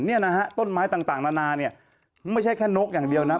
เนี่ยนะฮะต้นไม้ต่างนานาเนี่ยไม่ใช่แค่นกอย่างเดียวนะ